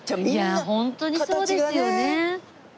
いやホントにそうですよね。